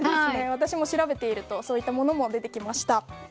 私も調べているとそういったものも出てきました。